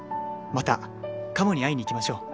「またカモに会いに行きましょう」